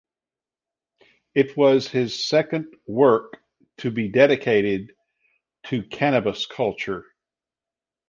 It was his second work to be dedicated to cannabis culture.